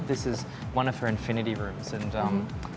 ini adalah salah satu dari ruang infinity